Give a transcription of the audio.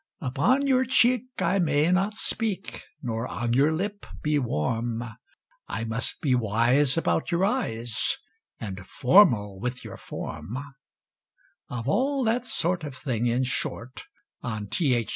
Upon your cheek I may not speak, Nor on your lip be warm, I must be wise about your eyes, And formal with your form; Of all that sort of thing, in short, On T.H.